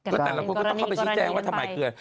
ก็ต่างแล้วก็ต้องเข้าไปชี้แจงว่าทำไมเกลือ